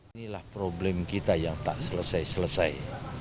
inilah problem kita yang tak selesai selesai